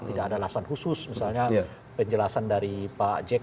tidak ada alasan khusus misalnya penjelasan dari pak jk